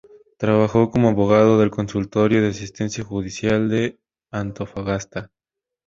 Trabajó como abogado del Consultorio de Asistencia Judicial de Antofagasta.